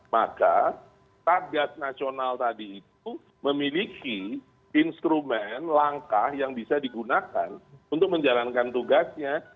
maka target nasional tadi itu memiliki instrumen langkah yang bisa digunakan untuk menjalankan tugasnya